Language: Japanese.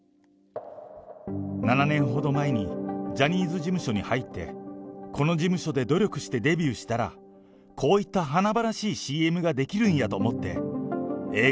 ７年ほど前に、ジャニーズ事務所に入って、この事務所で努力してデビューしたら、こういった華々しいＣＭができるんやと思って、Ａぇ！